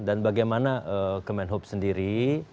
dan bagaimana kemenhub sendiri